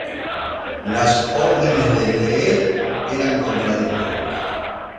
Las órdenes de Lee eran contradictorias.